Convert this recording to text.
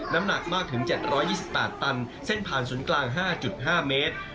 น้ำหนักมากถึง๗๒๘ตันเส้นผ่านศูนย์กลาง๕๕เมตร